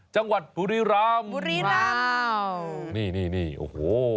จังหวัดบุรีรามว้าวนี่โอ้โห